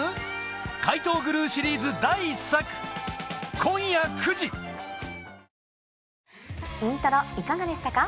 『怪盗グルー』シリーズ第１作『イントロ』いかがでしたか？